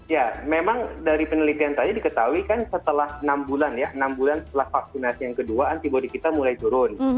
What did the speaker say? ya memang dari penelitian saja diketahui kan setelah enam bulan ya enam bulan setelah vaksinasi yang kedua antibody kita mulai turun